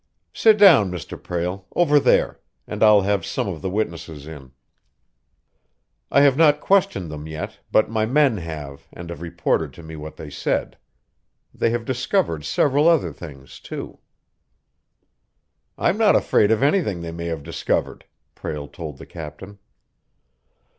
"Sit down, Mr. Prale, over there and I'll have some of the witnesses in. I have not questioned them yet, but my men have, and have reported to me what they said. They have discovered several other things, too." "I'm not afraid of anything they may have discovered," Prale told the captain.